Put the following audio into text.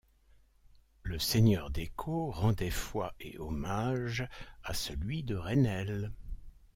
Le seigneur d'Ecot rendait foi et hommage à celui de Reynel.